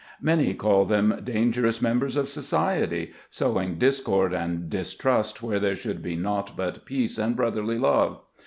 Many call them dangerous members of society, sowing discord and distrust where there should be nought but peace and broth erly love.